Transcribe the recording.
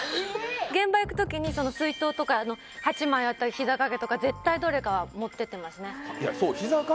現場行く時に水筒とか８枚あったひざ掛けとか絶対どれかは持ってってますね